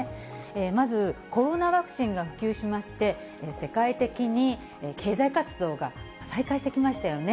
まず、コロナワクチンが普及しまして、世界的に経済活動が再開してきましたよね。